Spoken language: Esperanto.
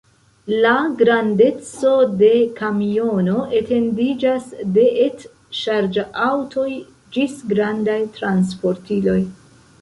La grandeco de kamiono etendiĝas de et-ŝarĝaŭtoj ĝis grandaj transportiloj.